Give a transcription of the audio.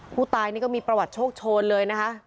ผู้ตายนี่ก็มีประวัติโชคโชนเลยนะคะ